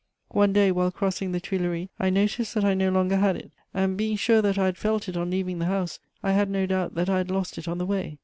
One day, while crossing the Tuileries, I noticed that I no longer had it, and, being sure that I had felt it on leaving the house, I had no doubt that I had lost it on the way.